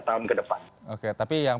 tahun ke depan oke tapi yang